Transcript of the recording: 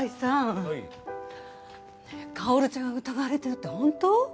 かおるちゃん疑われてるって本当？